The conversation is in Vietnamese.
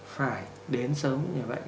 phải đến sớm